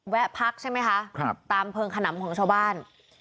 พักใช่ไหมคะตามเพลิงขนำของชาวบ้าน